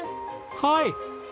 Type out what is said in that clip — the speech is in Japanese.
はい！